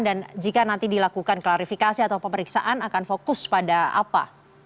dan jika nanti dilakukan klarifikasi atau pemeriksaan akan fokus pada apa